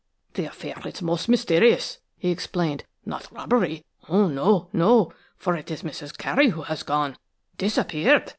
"The affair is most mysterious," he explained, "not robbery–oh, no! no!–for it is Mrs. Carey, who has gone–disappeared!